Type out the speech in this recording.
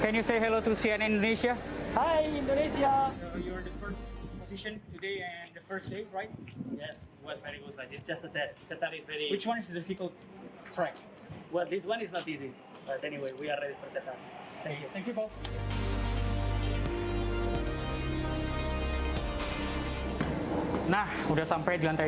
nah sudah sampai di lantai dua